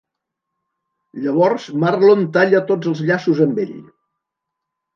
Llavors Marlon talla tots els llaços amb ell.